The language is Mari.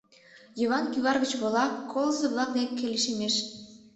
Йыван кӱвар гыч вола, колызо-влак деке лишемеш.